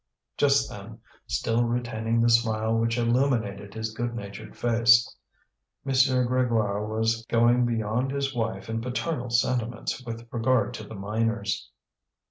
Just then, still retaining the smile which illuminated his good natured face, M. Grégoire was going beyond his wife in paternal sentiments with regard to the miners.